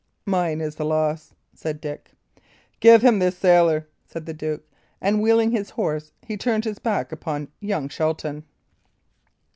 "Mine is the loss," said Dick. "Give him his sailor," said the duke; and wheeling his horse, he turned his back upon young Shelton.